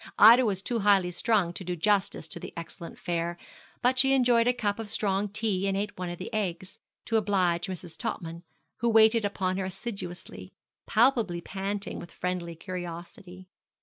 Ida was too highly strung to do justice to the excellent fare, but she enjoyed a cup of strong tea, and ate one of the eggs, to oblige Mrs. Topman, who waited upon her assiduously, palpably panting with friendly curiosity.